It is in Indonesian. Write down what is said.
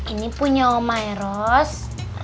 ini punya oma eros